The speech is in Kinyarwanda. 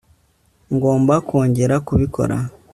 ngomba kongera kubikora